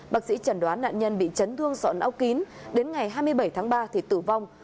bác sĩ chẩn đoán nạn nhân bị chấn thương sọ não kín đến ngày hai mươi bảy tháng ba thì tử vong